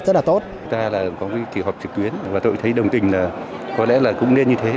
chúng ta là có một kỳ họp trực tuyến và tôi thấy đồng tình là có lẽ là cũng nên như thế